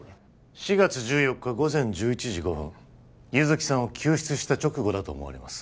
４月１４日午前１１時５分優月さんを救出した直後だと思われます